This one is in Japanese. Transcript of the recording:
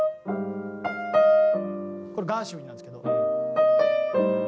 これガーシュウィンなんですけど。